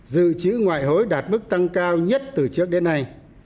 dự trữ ngoại hối đạt mức tăng cao nhất từ trước đến nay